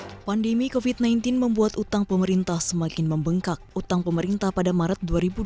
hai pandemi kofit sembilan belas membuat utang pemerintah semakin membengkak utang pemerintah pada maret